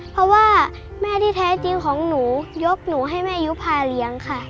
เพราะว่าแม่ที่แท้จริงของหนูยกหนูให้แม่ยุภาเลี้ยงค่ะ